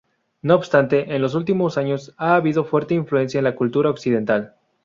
No obstante, en los últimos años ha habido fuerte influencia de la cultura occidental.